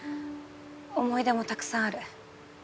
思い出もたくさんある。